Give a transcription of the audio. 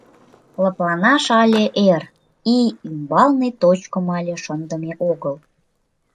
Лыпланаш але эр, «и» ӱмбалне точкым але шындыме огыл.